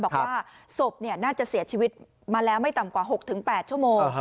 บอกว่าศพน่าจะเสียชีวิตมาแล้วไม่ต่ำกว่า๖๘ชั่วโมง